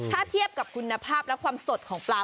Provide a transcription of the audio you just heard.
ถ้าเทียบกับคุณภาพและความสดของปลา